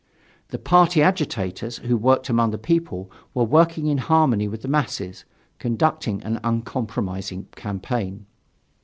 The party agitators who worked among the people were working in harmony with the masses, conducting an uncompromising campaign.